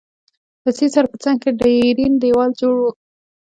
له سیند سره په څنګ کي ډبرین دیوال جوړ وو.